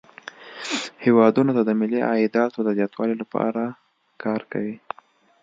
هیوادونه د ملي عایداتو د زیاتوالي لپاره کار کوي